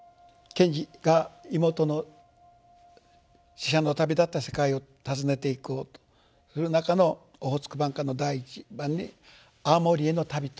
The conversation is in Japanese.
賢治が妹の死者の旅立った世界を訪ねていこうとする中の「オホーツク挽歌」の第一番に青森への旅という「青森挽歌」。